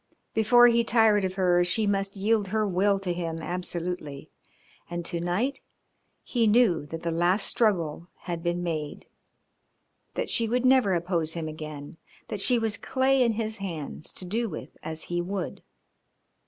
Before he tired of her she must yield her will to him absolutely. And to night he knew that the last struggle had been made, that she would never oppose him again, that she was clay in his hands to do with as he would.